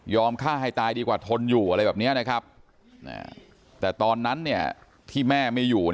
ฆ่าให้ตายดีกว่าทนอยู่อะไรแบบนี้นะครับแต่ตอนนั้นที่แม่ไม่อยู่